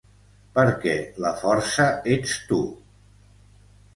Perquè la força ets tu.